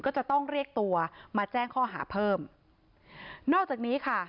ก็จะต้องเรียกตัวมาแจ้งข้อหาเพิ่มนอกจากนี้ค่ะ